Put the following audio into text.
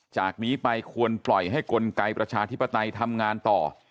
จากนี้ไปควรปล่อยให้กลไกประชาธิปไตยทำงานต่อ